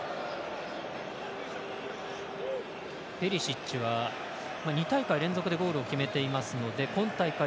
ペリシッチは２大会連続でゴールを決めていますので今大会